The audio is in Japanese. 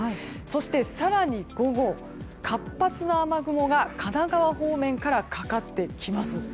そして更に午後活発な雨雲が神奈川県方面からかかってきます。